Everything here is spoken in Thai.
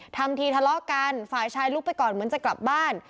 ทำทีทะเลาะกันฝ่ายชายลุกไปก่อนเหมือนจะกลับบ้าน